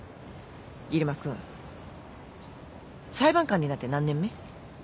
入間君裁判官になって何年目？